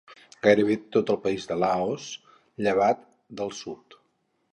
Gairebé tot el país de Laos, llevat del sud.